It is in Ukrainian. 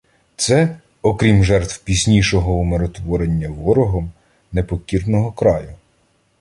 Це — окрім жертв пізнішого "умиротворення" ворогом непокірного краю.